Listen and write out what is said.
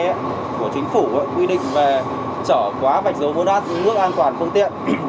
thì theo cái điều hai mươi tám một trăm ba mươi hai của chính phủ quy định về trở quá vạch dấu bốn h nước an toàn phương tiện